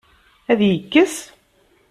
Ad yekkes?